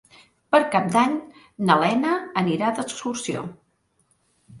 Per Cap d'Any na Lena anirà d'excursió.